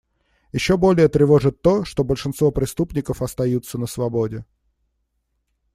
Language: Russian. Еще более тревожит то, что большинство преступников остаются на свободе.